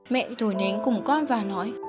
mẹ thổi nến cùng con và nóisure th sort out ad đi